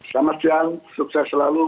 selamat siang sukses selalu